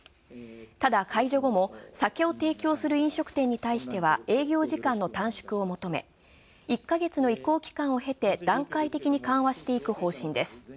ただ解除後も酒を提供する飲食店に対しては営業時間の短縮を求め、１ヶ月の移行期間を経て段階的に緩和していく方針です。